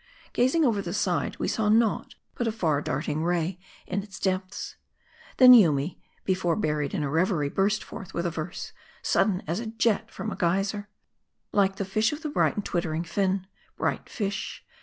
Gazing over the side, we saw naught but a far darting ray in its depths. Then Yoomy, before buried in "a reverie, burst forth with a verse, sudden as a jet from a Geyser. Like the fish of the bright and twittering fin, Bright fish